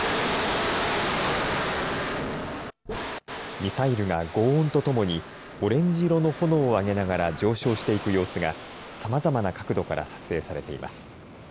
ミサイルが、ごう音とともにオレンジ色の炎を上げながら上昇していく様子がさまざまな角度から撮影されています。